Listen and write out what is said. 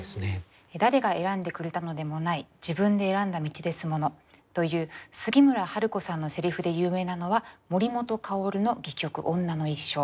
「“誰が選んでくれたのでもない自分で選んだ道ですもの”という杉村春子さんの台詞で有名なのは森本薫の戯曲『女の一生』。